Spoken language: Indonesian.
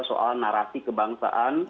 soal narasi kebangsaan